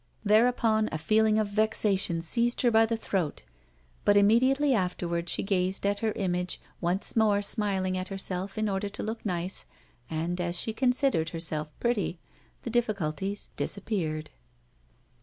Thereupon a feeling of vexation seized her by the throat. But immediately afterward she gazed at her image, once more smiling at herself in order to look nice, and, as she considered herself pretty, the difficulties disappeared.